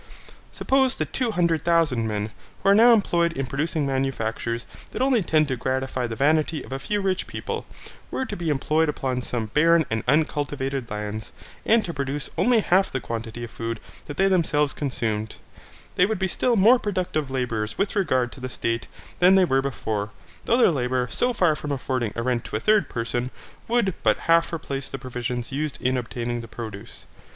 Suppose that two hundred thousand men, who are now employed in producing manufactures that only tend to gratify the vanity of a few rich people, were to be employed upon some barren and uncultivated lands, and to produce only half the quantity of food that they themselves consumed; they would be still more productive labourers with regard to the state than they were before, though their labour, so far from affording a rent to a third person, would but half replace the provisions used in obtaining the produce.